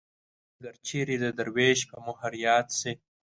مګر چېرې د دروېش په مهر ياد شي